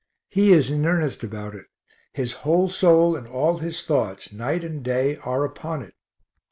He is in earnest about it; his whole soul and all his thoughts night and day are upon it.